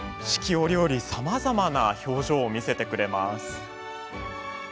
四季折々さまざまな表情を見せてくれます。